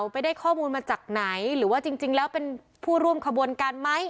ไปได้ข้อมูลมาจากไหนหรือว่าจริงแล้วเป็นผู้ร่วมขบวนการไหม